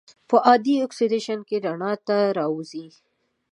په عادي اکسیدیشن کې رڼا نه راوځي.